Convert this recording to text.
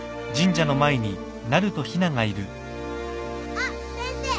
・あっ先生。